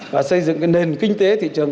và xây dựng cái nền kinh tế thị trường